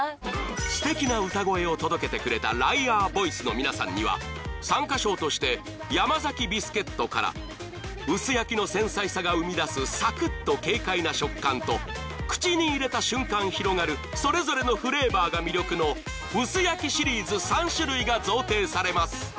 ［すてきな歌声を届けてくれたライアーボイスの皆さんには参加賞としてヤマザキビスケットから薄焼きの繊細さが生み出すサクッと軽快な食感と口に入れた瞬間広がるそれぞれのフレーバーが魅力の薄焼きシリーズ３種類が贈呈されます］